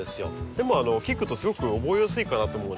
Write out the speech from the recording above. でも聞くとすごく覚えやすいかなと思うんですよ。